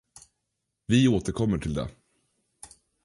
Vi återkommer till det.